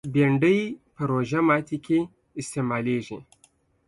بېنډۍ په روژه ماتي کې استعمالېږي